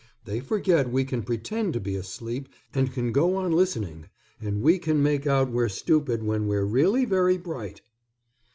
They forget we can pretend to be asleep and can go on listening, and we can make out we're stupid when we're really very bright."